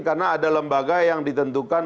karena ada lembaga yang ditentukan